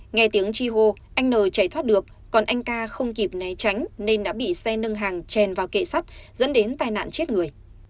nghe tiếng chi hô anh n chạy thoát được còn anh ca không kịp né tránh nên đã bị xe nâng hàng chèn vào kệ sắt dẫn đến tai nạn chết người